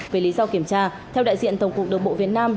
về lý do kiểm tra theo đại diện tổng cục đường bộ việt nam